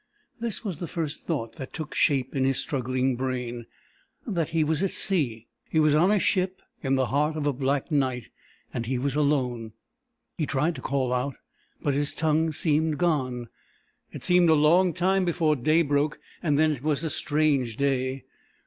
This was the first thought that took shape in his struggling brain he was at sea; he was on a ship in the heart of a black night, and he was alone. He tried to call out, but his tongue seemed gone. It seemed a long time before day broke, and then it was strange day.